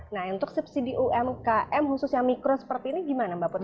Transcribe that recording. nah untuk subsidi umkm khususnya mikro seperti ini gimana mbak putri